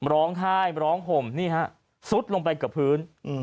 ร้องไห้ร้องห่มนี่ฮะซุดลงไปกับพื้น